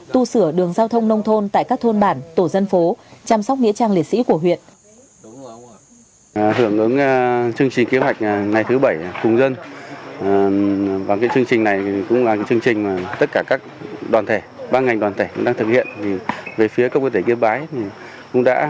tu sửa đường giao thông nông thôn tại các thôn bản tổ dân phố chăm sóc nghĩa trang liệt sĩ của huyện